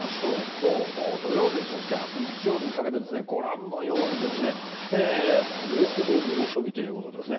今日、土曜日そして明日、日曜日にかけてご覧のように、ほぼほぼ猛暑日ということですね。